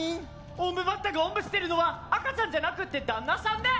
オンブバッタがオンブしてるのは赤ちゃんじゃなくて旦那さんで。